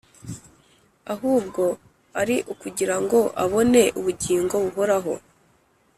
ahubwo ari ukugira ngo abone ubugingo buhoraho